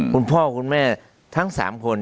คุณพ่อคุณแม่ทั้ง๓คน